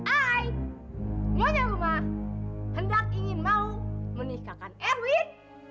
ay muanya rumah hendak ingin mau menikahkan erwin